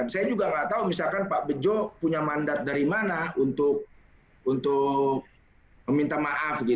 saya juga nggak tahu misalkan pak bejo punya mandat dari mana untuk meminta maaf